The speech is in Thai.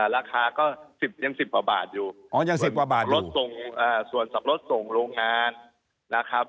ราคาก็ยัง๑๐กว่าบาทอยู่ส่วนสับปะรดส่งโรงงานนะครับ